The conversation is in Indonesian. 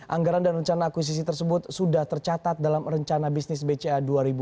anggaran dan rencana akuisisi tersebut sudah tercatat dalam rencana bisnis bca dua ribu dua puluh